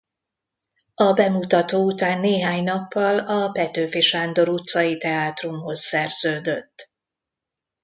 A bemutató után néhány nappal a Petőfi Sándor utcai teátrumhoz szerződött.